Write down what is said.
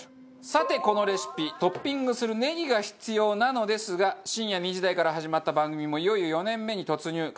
さて、このレシピトッピングするネギが必要なのですが深夜２時台から始まった番組もいよいよ、４年目に突入。